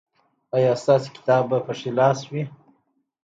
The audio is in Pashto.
ایا ستاسو کتاب به په ښي لاس وي؟